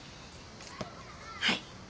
はい。